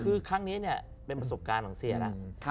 คือครั้งนี้เป็นประสบการณ์ของเศรษฐ์